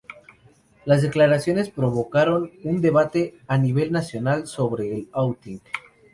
Las declaraciones provocaron un debate a nivel nacional sobre el "outing".